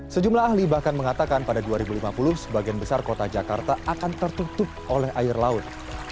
sejumlah ahli bahkan mengatakan pada dua ribu lima puluh sebagian besar kota jakarta akan tertutup oleh air laut